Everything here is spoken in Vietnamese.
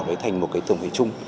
để thành một tổng hợp chung